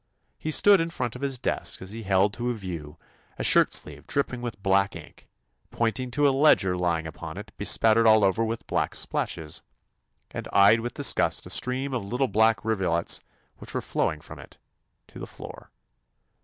He stood in front of his desk as he held to view a shirt sleeve dripping with black ink, pointed to a ledger lying upon it bespattered all over with black splashes, and eyed with disgust a stream of little black rivu lets which were flowing from it to the floor.